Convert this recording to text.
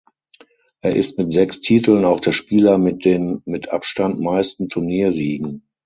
Er ist mit sechs Titeln auch der Spieler mit den mit Abstand meisten Turniersiegen.